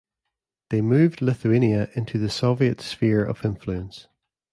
They moved Lithuania into the Soviet sphere of influence.